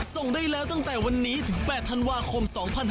ส่งได้แล้วตั้งแต่วันนี้ถึง๘ธันวาคม๒๕๕๙